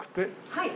はい。